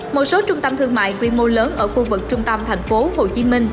một số trung tâm thương mại quy mô lớn ở khu vực trung tâm tp hcm